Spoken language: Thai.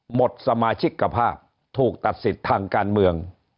หมดสมาชิกภาพถูกตัดสิทธิ์ทางการเมือง